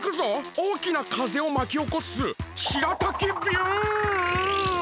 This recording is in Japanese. おおきなかぜをまきおこすしらたきビュン！